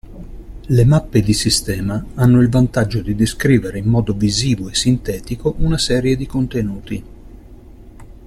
Le mappe di sistema hanno il vantaggio di descrivere in modo visivo e sintetico una serie di contenuti.